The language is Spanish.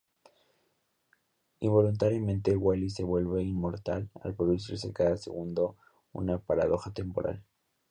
Involuntariamente, Wally se vuelve "inmortal" al producirse cada segundo una paradoja temporal.